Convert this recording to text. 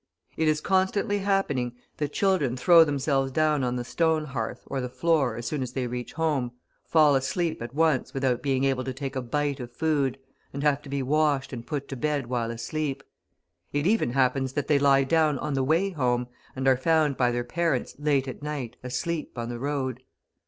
It is constantly happening that children throw themselves down on the stone hearth or the floor as soon as they reach home, fall asleep at once without being able to take a bite of food, and have to be washed and put to bed while asleep; it even happens that they lie down on the way home, and are found by their parents late at night asleep on the road.